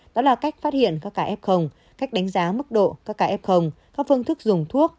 đó là cách phát hiện các ca f cách đánh giá mức độ các ca f các phương thức dùng thuốc